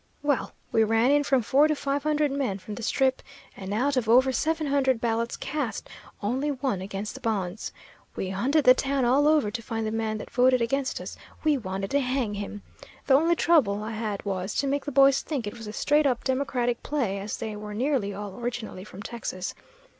Well, we ran in from four to five hundred men from the Strip, and out of over seven hundred ballots cast, only one against the bonds. We hunted the town all over to find the man that voted against us; we wanted to hang him! The only trouble I had was to make the boys think it was a straight up Democratic play, as they were nearly all originally from Texas.